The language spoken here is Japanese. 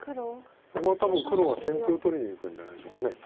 ここは多分黒は先手を取りにいくんじゃないでしょうか。